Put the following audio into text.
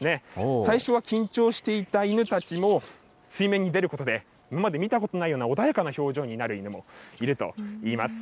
最初は緊張していた犬たちも、水面に出ることで、今まで見たことのないような穏やかな表情になる犬もいるといいます。